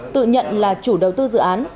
tự nhận là chủ đầu tư dự án